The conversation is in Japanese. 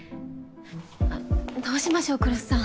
あっどうしましょう来栖さん。